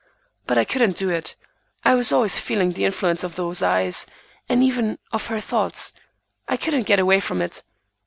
But I couldn't do it. I was always feeling the influence of those eyes, and even of her thoughts. I couldn't get away from it.